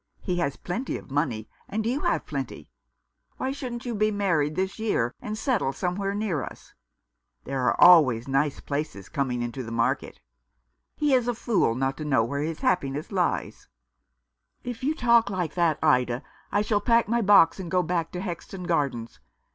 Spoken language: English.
He has plenty of money, and you have plenty. Why shouldn't you be married this year, and settle somewhere near us ? There are always nice places coming into the market. He is a fool not to know where his happiness lies." 325 Rough Justice. "If you talk like that, Ida, I shall pack my box, and go back to Hexton Gardens.